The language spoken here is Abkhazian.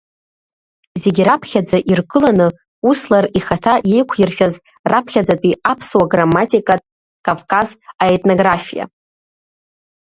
Зегь раԥхьа-ӡа иргыланы Услар ихаҭа иеиқәиршәаз раԥхьаӡатәи аԥсуа грамматика Кавказ аетнографиа.